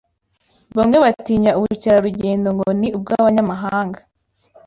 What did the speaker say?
bamwe batinya ubukerarugendo ngo ni ubw’abanyamahanga